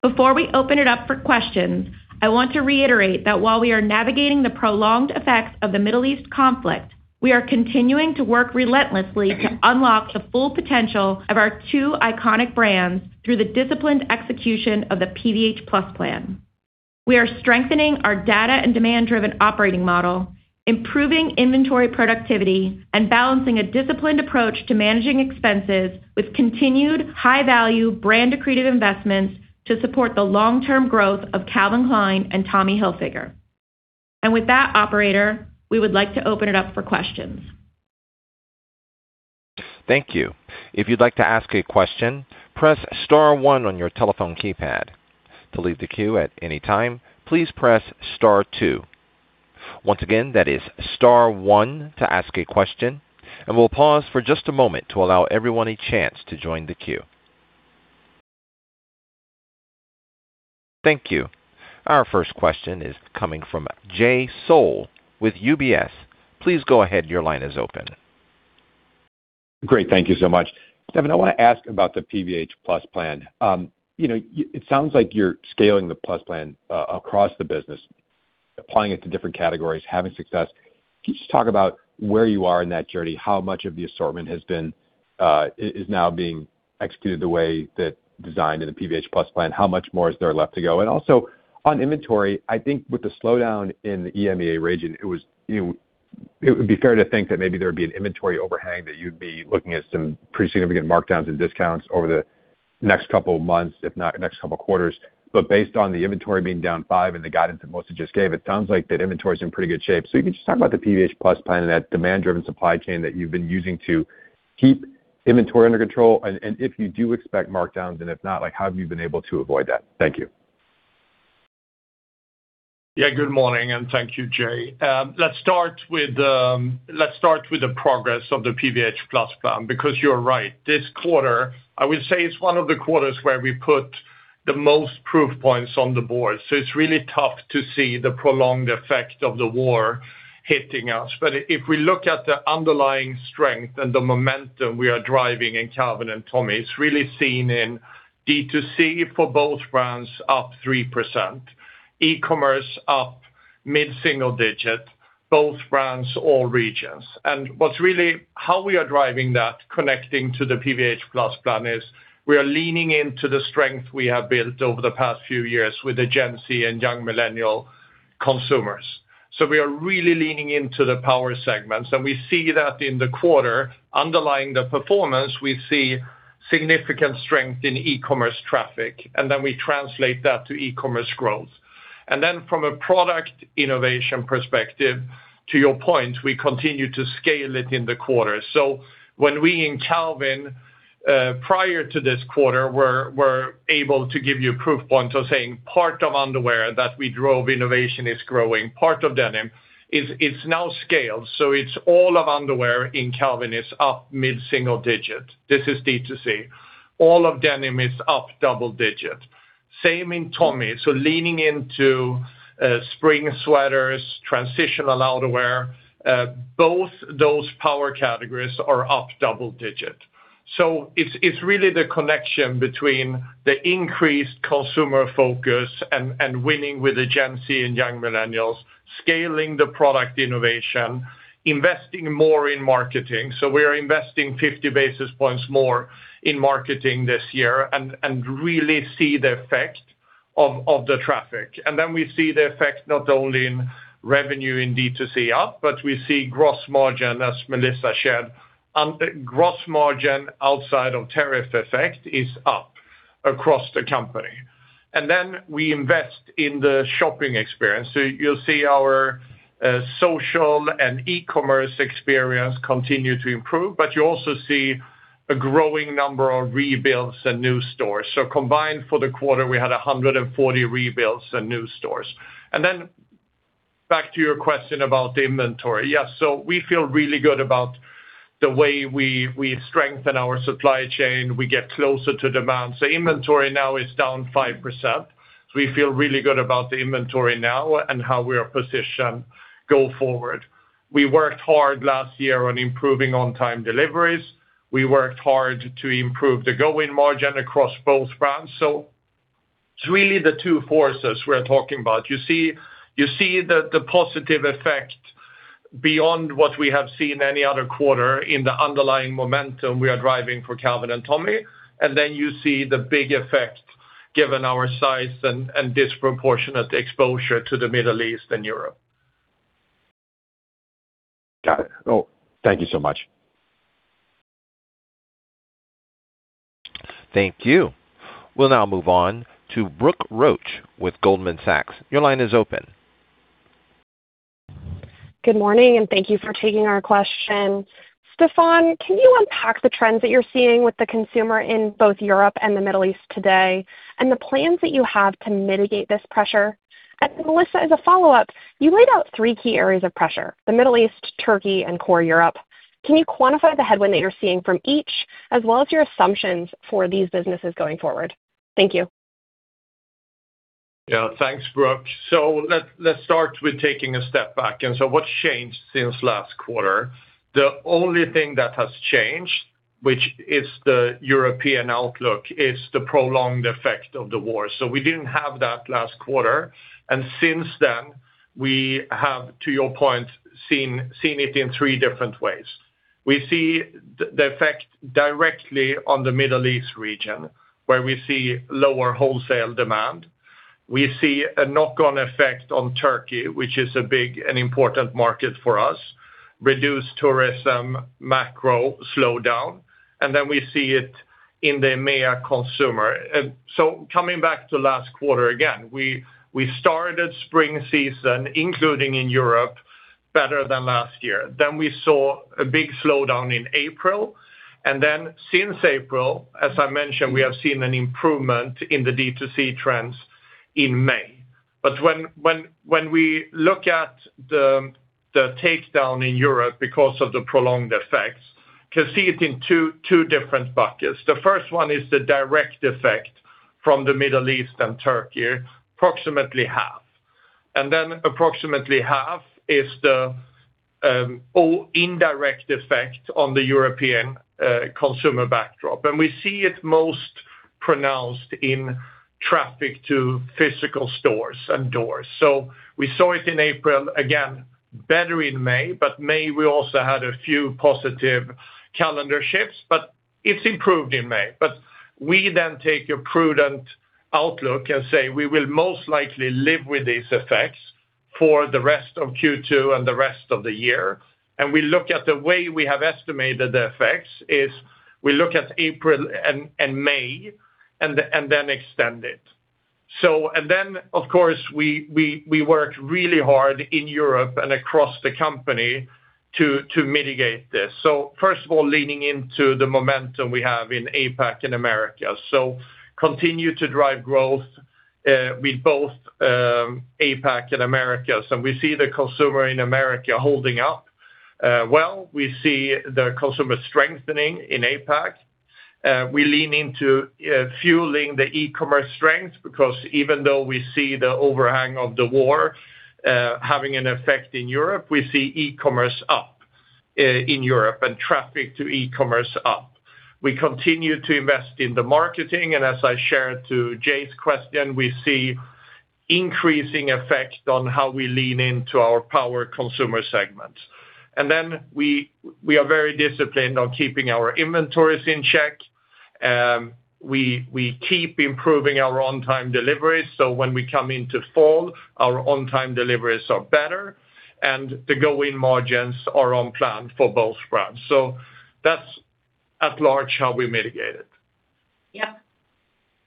Before we open it up for questions, I want to reiterate that while we are navigating the prolonged effects of the Middle East conflict, we are continuing to work relentlessly to unlock the full potential of our two iconic brands through the disciplined execution of the PVH+ Plan. We are strengthening our data and demand-driven operating model, improving inventory productivity, and balancing a disciplined approach to managing expenses with continued high-value brand accretive investments to support the long-term growth of Calvin Klein and Tommy Hilfiger. With that, operator, we would like to open it up for questions. Thank you. If you'd like to ask a question, press star one on your telephone keypad. To leave the queue at any time, please press star two. Once again, that is star one to ask a question, and we'll pause for just a moment to allow everyone a chance to join the queue. Thank you. Our first question is coming from Jay Sole with UBS. Please go ahead. Your line is open. Great. Thank you so much. Stefan, I want to ask about the PVH+ Plan. It sounds like you're scaling the Plus Plan across the business, applying it to different categories, having success. Can you just talk about where you are in that journey? How much of the assortment is now being executed the way that designed in the PVH+ Plan? How much more is there left to go? Also on inventory, I think with the slowdown in the EMEA region, it would be fair to think that maybe there would be an inventory overhang, that you'd be looking at some pretty significant markdowns and discounts over the next couple of months, if not next couple of quarters. Based on the inventory being down five and the guidance that Melissa just gave, it sounds like that inventory is in pretty good shape. If you can just talk about the PVH+ Plan and that demand-driven supply chain that you've been using to keep inventory under control, and if you do expect markdowns, and if not, like how have you been able to avoid that? Thank you. Yeah. Good morning, and thank you, Jay. Let's start with the progress of the PVH+ Plan, because you're right. This quarter, I would say it's one of the quarters where we put the most proof points on the board. It's really tough to see the prolonged effect of the war hitting us. If we look at the underlying strength and the momentum we are driving in Calvin and Tommy, it's really seen in D2C for both brands up 3%, e-commerce up mid-single digit, both brands, all regions. What's really how we are driving that connecting to the PVH+ Plan is we are leaning into the strength we have built over the past few years with the Gen Z and young millennial consumers. We are really leaning into the power segments, and we see that in the quarter underlying the performance, we see significant strength in e-commerce traffic, and then we translate that to e-commerce growth. From a product innovation perspective, to your point, we continue to scale it in the quarter. When we in Calvin, prior to this quarter, were able to give you proof points of saying part of underwear that we drove innovation is growing. Part of denim is now scaled. It's all of underwear in Calvin is up mid-single digit. This is D2C. All of denim is up double digit. Same in Tommy. Leaning into spring sweaters, transitional outerwear, both those power categories are up double digit. It's really the connection between the increased consumer focus and winning with the Gen Z and young millennials, scaling the product innovation, investing more in marketing. We are investing 50 basis points more in marketing this year and really see the effect of the traffic. We see the effect not only in revenue in D2C up, but we see gross margin, as Melissa shared. Gross margin outside of tariff effect is up across the company. We invest in the shopping experience. You'll see our social and e-commerce experience continue to improve, but you also see a growing number of rebuilds and new stores. Combined for the quarter, we had 140 rebuilds and new stores. Back to your question about the inventory. Yeah, we feel really good about the way we strengthen our supply chain. We get closer to demand. Inventory now is down 5%. We feel really good about the inventory now and how we are positioned go forward. We worked hard last year on improving on-time deliveries. We worked hard to improve the going margin across both brands. It's really the two forces we are talking about. You see the positive effect beyond what we have seen any other quarter in the underlying momentum we are driving for Calvin and Tommy, and then you see the big effect given our size and disproportionate exposure to the Middle East and Europe. Got it. Thank you so much. Thank you. We'll now move on to Brooke Roach with Goldman Sachs. Your line is open. Good morning, and thank you for taking our question. Stefan, can you unpack the trends that you're seeing with the consumer in both Europe and the Middle East today, and the plans that you have to mitigate this pressure? Melissa, as a follow-up, you laid out three key areas of pressure, the Middle East, Turkey, and core Europe. Can you quantify the headwind that you're seeing from each, as well as your assumptions for these businesses going forward? Thank you. Yeah. Thanks, Brooke. Let's start with taking a step back, and so what's changed since last quarter? The only thing that has changed, which is the European outlook, is the prolonged effect of the war. We didn't have that last quarter. Since then, we have, to your point, seen it in three different ways. We see the effect directly on the Middle East region, where we see lower wholesale demand. We see a knock-on effect on Turkey, which is a big and important market for us, reduced tourism, macro slowdown, and then we see it in the EMEA consumer. Coming back to last quarter again, we started spring season, including in Europe, better than last year. We saw a big slowdown in April, and then since April, as I mentioned, we have seen an improvement in the D2C trends in May. When we look at the takedown in Europe because of the prolonged effects, can see it in two different buckets. The first one is the direct effect from the Middle East and Turkey, approximately half. Approximately half is the indirect effect on the European consumer backdrop. We see it most pronounced in traffic to physical stores and doors. We saw it in April, again, better in May, but May, we also had a few positive calendar shifts, but it's improved in May. We then take a prudent outlook and say we will most likely live with these effects for the rest of Q2 and the rest of the year. We look at the way we have estimated the effects is we look at April and May and then extend it. Of course, we work really hard in Europe and across the company to mitigate this. First of all, leaning into the momentum we have in APAC and America. Continue to drive growth with both APAC and America. We see the consumer in America holding up well. We see the consumer strengthening in APAC. We lean into fueling the e-commerce strength because even though we see the overhang of the war having an effect in Europe, we see e-commerce up in Europe and traffic to e-commerce up. We continue to invest in the marketing, and as I shared to Jay's question, we see increasing effect on how we lean into our power consumer segment. We are very disciplined on keeping our inventories in check. We keep improving our on-time deliveries, so when we come into fall, our on-time deliveries are better, and the go-in margins are on plan for both brands. That's at large how we mitigate it.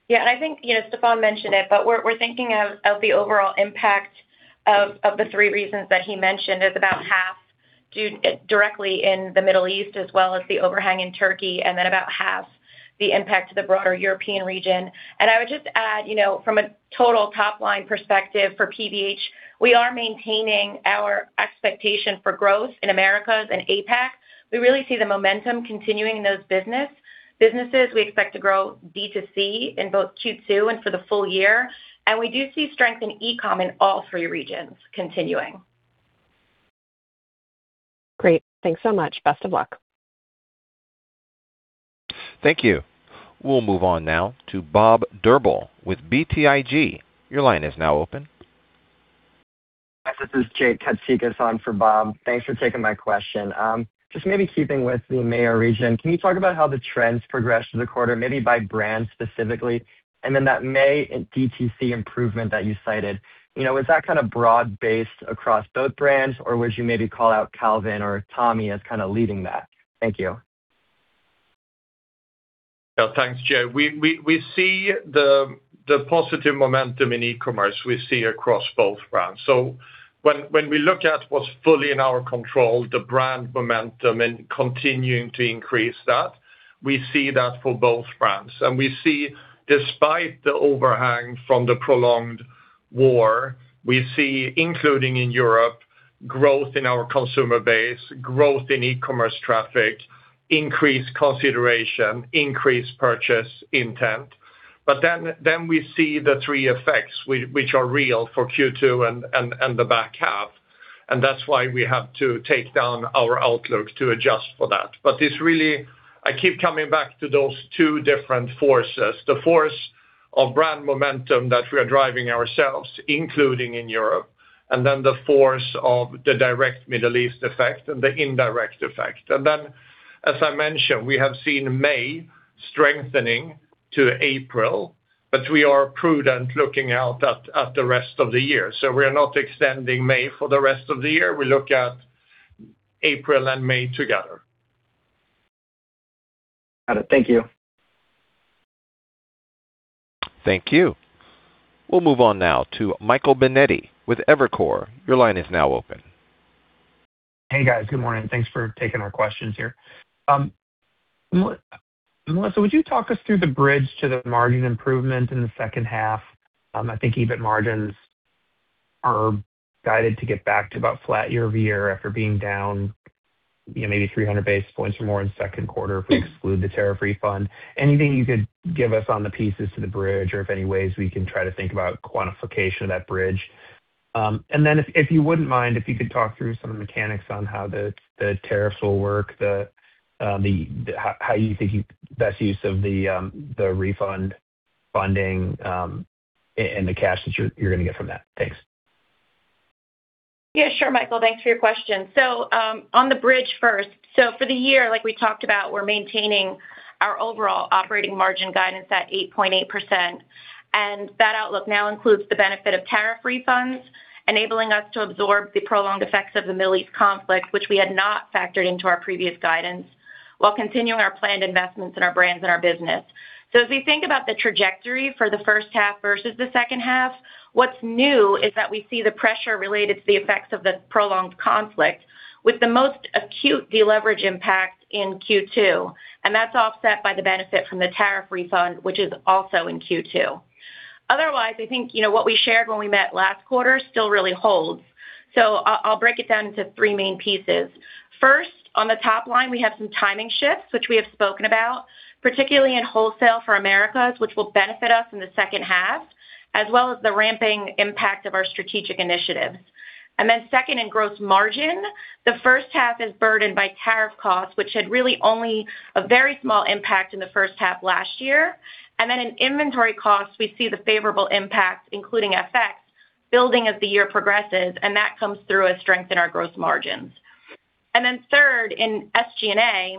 Yeah. I think Stefan mentioned it, but we're thinking of the overall impact of the three reasons that he mentioned as about half directly in the Middle East as well as the overhang in Turkey, and then about half the impact to the broader European region. I would just add, from a total top-line perspective for PVH, we are maintaining our expectation for growth in Americas and APAC. We really see the momentum continuing in those businesses. We expect to grow D2C in both Q2 and for the full year, and we do see strength in e-com in all three regions continuing. Great. Thanks so much. Best of luck. Thank you. We'll move on now to Bob Drbul with BTIG. Your line is now open. This is Jake Katsikas on for Bob. Thanks for taking my question. Just maybe keeping with the EMEA region, can you talk about how the trends progressed through the quarter, maybe by brand specifically? that May D2C improvement that you cited, was that kind of broad-based across both brands, or would you maybe call out Calvin or Tommy as kind of leading that? Thank you. Yeah. Thanks, Jake. We see the positive momentum in e-commerce, we see across both brands. When we look at what's fully in our control, the brand momentum and continuing to increase that, we see that for both brands. We see, despite the overhang from the prolonged war, we see, including in Europe, growth in our consumer base, growth in e-commerce traffic, increased consideration, increased purchase intent. We see the three effects, which are real for Q2 and the back half, and that's why we have to take down our outlook to adjust for that. It's really, I keep coming back to those two different forces, the force of brand momentum that we are driving ourselves, including in Europe, and then the force of the direct Middle East effect and the indirect effect. As I mentioned, we have seen May strengthening to April, but we are prudent looking out at the rest of the year. we are not extending May for the rest of the year. We look at April and May together. Got it. Thank you. Thank you. We'll move on now to Michael Binetti with Evercore. Your line is now open. Hey, guys. Good morning. Thanks for taking our questions here. Melissa, would you talk us through the bridge to the margin improvement in the second half? I think EBIT margins are guided to get back to about flat year-over-year after being down maybe 300 basis points or more in the second quarter if we exclude the tariff refund. Anything you could give us on the pieces to the bridge or if there are any ways we can try to think about quantification of that bridge? If you wouldn't mind, if you could talk through some of the mechanics on how the tariffs will work, how you think the best use of the refund funding, and the cash that you're going to get from that. Thanks. Yeah, sure Michael, thanks for your question. On the bridge first. For the year, like we talked about, we're maintaining our overall operating margin guidance at 8.8%, and that outlook now includes the benefit of tariff refunds, enabling us to absorb the prolonged effects of the Middle East conflict, which we had not factored into our previous guidance, while continuing our planned investments in our brands and our business. As we think about the trajectory for the first half versus the second half, what's new is that we see the pressure related to the effects of the prolonged conflict with the most acute deleverage impact in Q2, and that's offset by the benefit from the tariff refund, which is also in Q2. Otherwise, I think what we shared when we met last quarter still really holds. I'll break it down into three main pieces. First, on the top line, we have some timing shifts, which we have spoken about, particularly in wholesale for Americas, which will benefit us in the second half, as well as the ramping impact of our strategic initiatives. Second in gross margin, the first half is burdened by tariff costs, which had really only a very small impact in the first half last year. In inventory costs, we see the favorable impacts, including FX, building as the year progresses, and that comes through as strength in our gross margins. Third, in SG&A,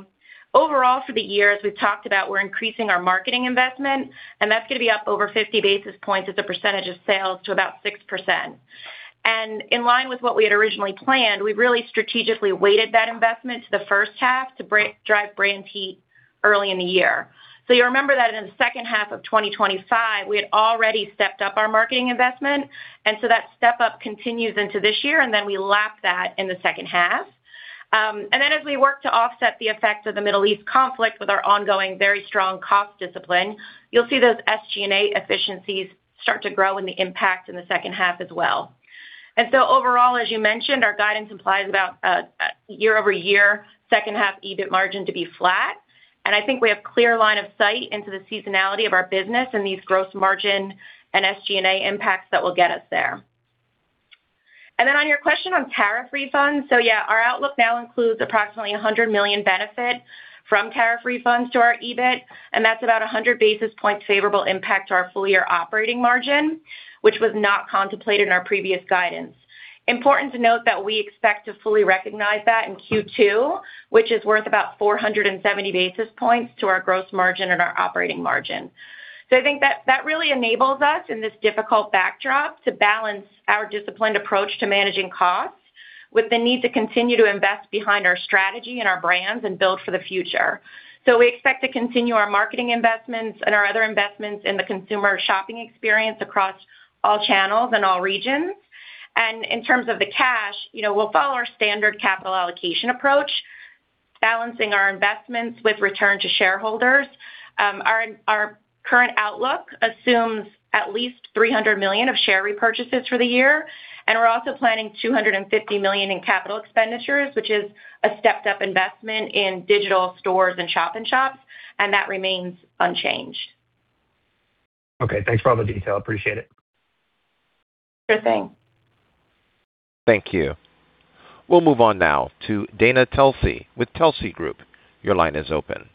overall for the year, as we've talked about, we're increasing our marketing investment, and that's going to be up over 50 basis points as a percentage of sales to about 6%. In line with what we had originally planned, we really strategically weighted that investment to the first half to drive brand heat early in the year. You remember that in the second half of 2025, we had already stepped up our marketing investment, and so that step-up continues into this year, and then we lap that in the second half. As we work to offset the effects of the Middle East conflict with our ongoing very strong cost discipline, you'll see those SG&A efficiencies start to grow in the impact in the second half as well. Overall, as you mentioned, our guidance implies about a year-over-year second half EBIT margin to be flat. I think we have clear line of sight into the seasonality of our business and these gross margin and SG&A impacts that will get us there. On your question on tariff refunds, so yeah, our outlook now includes approximately $100 million benefit from tariff refunds to our EBIT, and that's about 100 basis points favorable impact to our full-year operating margin, which was not contemplated in our previous guidance. Important to note that we expect to fully recognize that in Q2, which is worth about 470 basis points to our gross margin and our operating margin. I think that really enables us in this difficult backdrop to balance our disciplined approach to managing costs with the need to continue to invest behind our strategy and our brands and build for the future. We expect to continue our marketing investments and our other investments in the consumer shopping experience across all channels and all regions. In terms of the cash, we'll follow our standard capital allocation approach, balancing our investments with return to shareholders. Our current outlook assumes at least $300 million of share repurchases for the year, and we're also planning $250 million in capital expenditures, which is a stepped up investment in digital stores and shop in shops, and that remains unchanged. Okay. Thanks for all the detail. Appreciate it. Sure thing. Thank you. We'll move on now to Dana Telsey with Telsey Advisory Group. Your line is open.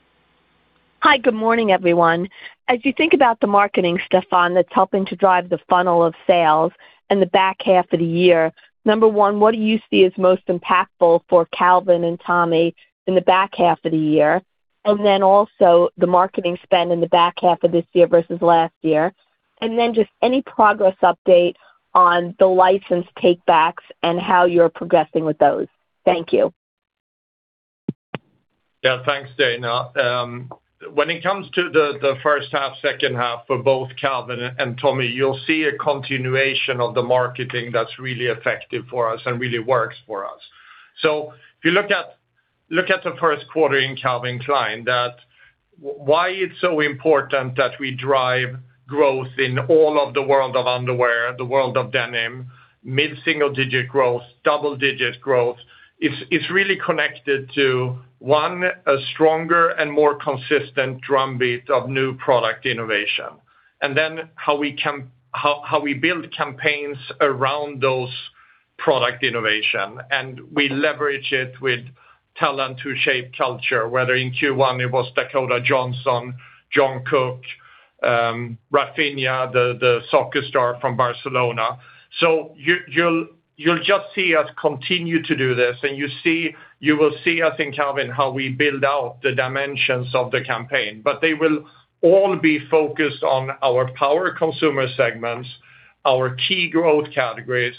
Hi. Good morning, everyone. As you think about the marketing, Stefan, that's helping to drive the funnel of sales in the back half of the year, number one, what do you see as most impactful for Calvin and Tommy in the back half of the year? Also the marketing spend in the back half of this year versus last year. Just any progress update on the license take backs and how you're progressing with those. Thank you. Yeah. Thanks, Dana. When it comes to the first half, second half for both Calvin and Tommy, you'll see a continuation of the marketing that's really effective for us and really works for us. If you look at the first quarter in Calvin Klein, why it's so important that we drive growth in all of the world of underwear, the world of denim, mid-single digit growth, double-digit growth. It's really connected to, one, a stronger and more consistent drumbeat of new product innovation. Then how we build campaigns around those product innovation, and we leverage it with talent to shape culture. Whether in Q1 it was Dakota Johnson, Jungkook, Raphinha, the soccer star from Barcelona. You'll just see us continue to do this, and you will see us in Calvin, how we build out the dimensions of the campaign. They will all be focused on our power consumer segments, our key growth categories,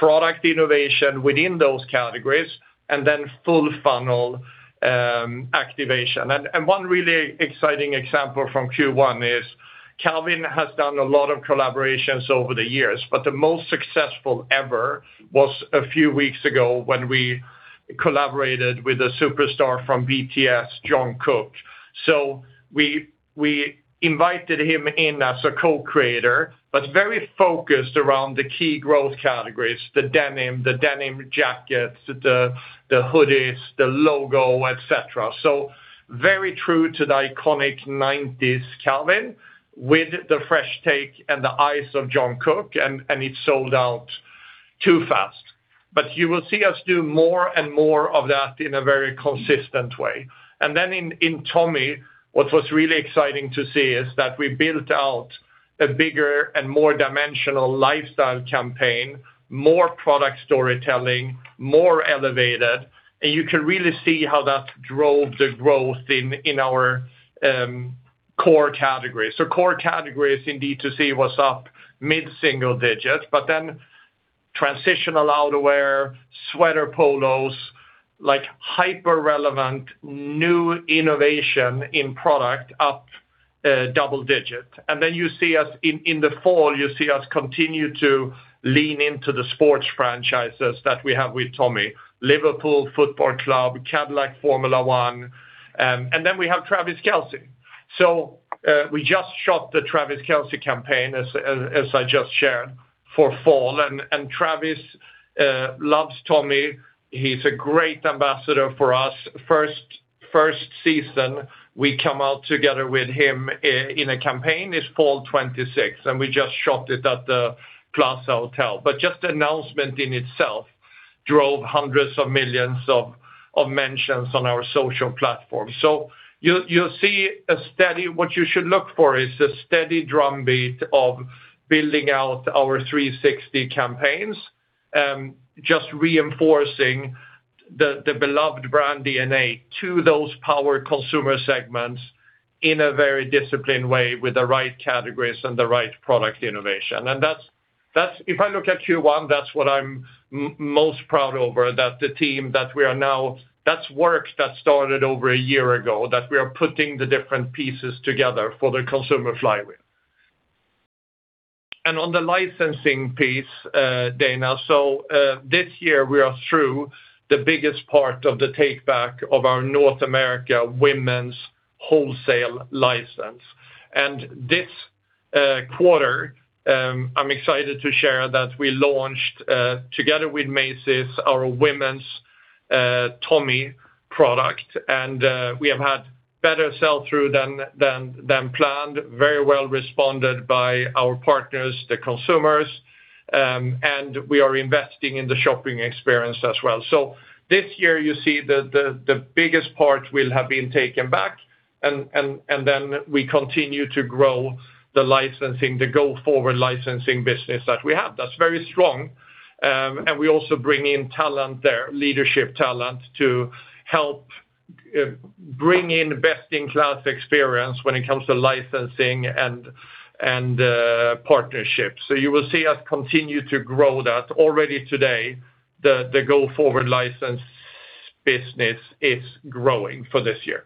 product innovation within those categories, and then full funnel activation. One really exciting example from Q1 is Calvin has done a lot of collaborations over the years, but the most successful ever was a few weeks ago when we collaborated with a superstar from BTS, Jungkook. We invited him in as a co-creator, but very focused around the key growth categories, the denim, the denim jackets, the hoodies, the logo, et cetera. Very true to the iconic '90s Calvin, with the fresh take and the eyes of Jungkook, and it sold out too fast. You will see us do more and more of that in a very consistent way. In Tommy, what was really exciting to see is that we built out a bigger and more dimensional lifestyle campaign, more product storytelling, more elevated, and you can really see how that drove the growth in our core categories. core categories in D2C was up mid-single digits, but then transitional outerwear, sweater polos, like hyper-relevant new innovation in product up double digit. In the fall, you see us continue to lean into the sports franchises that we have with Tommy, Liverpool Football Club, Cadillac Formula One, and then we have Travis Kelce. We just shot the Travis Kelce campaign, as I just shared, for fall. Travis loves Tommy. He's a great ambassador for us. First season we come out together with him in a campaign is fall 2026, and we just shot it at the Plaza Hotel. Just the announcement in itself drove hundreds of millions of mentions on our social platform. What you should look for is a steady drumbeat of building out our 360 campaigns, just reinforcing the beloved brand DNA to those power consumer segments in a very disciplined way with the right categories and the right product innovation. If I look at Q1, that's what I'm most proud over, that the team, that's work that started over a year ago, that we are putting the different pieces together for the consumer flywheel. On the licensing piece, Dana, so, this year we are through the biggest part of the take-back of our North America women's wholesale license. This quarter, I'm excited to share that we launched, together with Macy's, our women's Tommy product, and we have had better sell-through than planned, very well responded by our partners, the consumers, and we are investing in the shopping experience as well. This year, you see the biggest part will have been taken back, and then we continue to grow the licensing, the go-forward licensing business that we have. That's very strong. We also bring in leadership talent to help bring in best-in-class experience when it comes to licensing and partnerships. You will see us continue to grow that. Already today, the go-forward license business is growing for this year.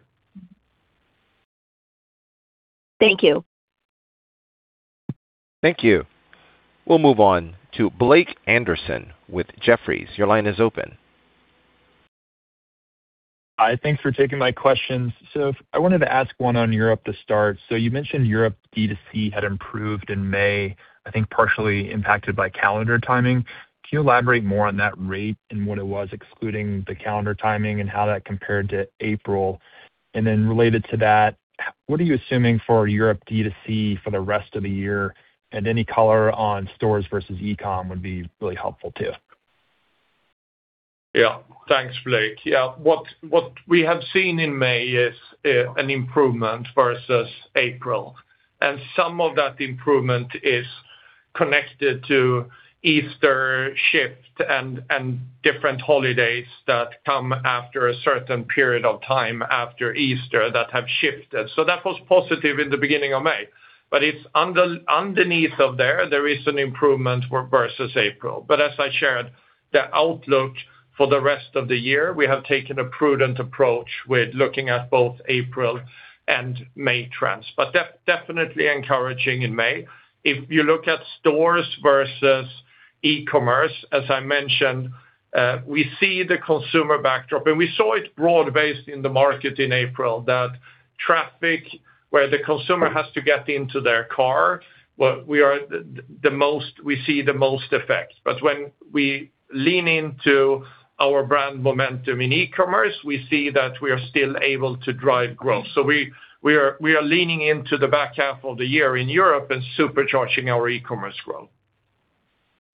Thank you. Thank you. We'll move on to Blake Anderson with Jefferies. Your line is open. Hi, thanks for taking my questions. I wanted to ask one on Europe to start. You mentioned Europe D2C had improved in May, I think partially impacted by calendar timing. Can you elaborate more on that rate and what it was, excluding the calendar timing, and how that compared to April? Related to that, what are you assuming for Europe D2C for the rest of the year? Any color on stores versus e-com would be really helpful, too. Thanks, Blake. What we have seen in May is an improvement versus April, and some of that improvement is connected to Easter shift and different holidays that come after a certain period of time after Easter that have shifted. That was positive in the beginning of May. It's underneath of there is an improvement versus April. As I shared, the outlook for the rest of the year, we have taken a prudent approach with looking at both April and May trends. Definitely encouraging in May. If you look at stores versus e-commerce, as I mentioned, we see the consumer backdrop, and we saw it broad based in the market in April, that traffic where the consumer has to get into their car, we see the most effect. When we lean into our brand momentum in e-commerce, we see that we are still able to drive growth. We are leaning into the back half of the year in Europe and supercharging our e-commerce growth.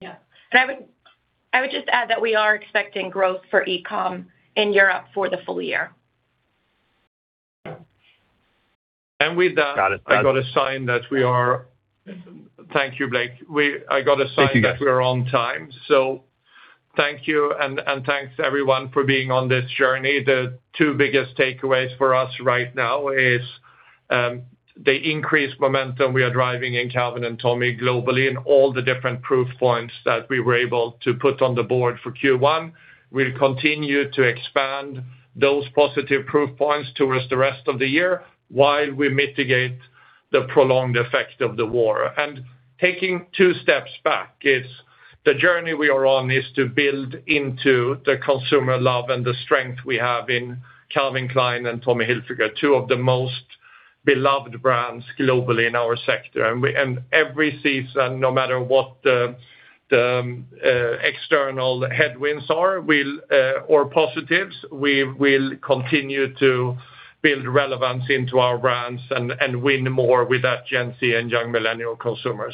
Yeah. I would just add that we are expecting growth for e-com in Europe for the full year. With that. Thank you, Blake. I got a sign that we are on time. Thank you, and thanks, everyone, for being on this journey. The two biggest takeaways for us right now is, the increased momentum we are driving in Calvin and Tommy globally, and all the different proof points that we were able to put on the board for Q1. We'll continue to expand those positive proof points towards the rest of the year while we mitigate the prolonged effect of the war. Taking two steps back, the journey we are on is to build into the consumer love and the strength we have in Calvin Klein and Tommy Hilfiger, two of the most beloved brands globally in our sector. Every season, no matter what the external headwinds are, or positives, we will continue to build relevance into our brands and win more with that Gen Z and young millennial consumer.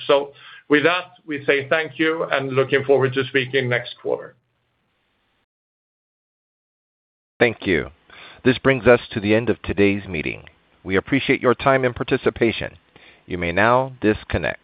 With that, we say thank you, and looking forward to speaking next quarter. Thank you. This brings us to the end of today's meeting. We appreciate your time and participation. You may now disconnect.